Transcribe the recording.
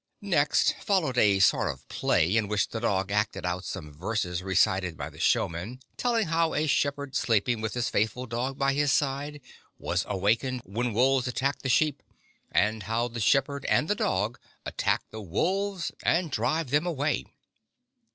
Next followed a sort of play in which the dog acted out some verses recited by the showman, telling how a shepherd, sleep ing with his faithful dog by his side, was awakened when wolves attacked the sheep, and how the shepherd and the dog attack the wolves and 17 GYPSY, THE TALKING DOG drive them away.